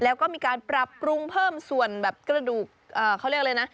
แล้วก็มีการปรับปรุงเพิ่มส่วนแบบกระดูกเขาเรียกอะไรนะ